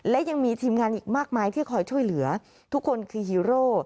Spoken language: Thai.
และยังมีทีมงานอีกมากมายที่คอยช่วยเหลือทุกคนคือฮีโร่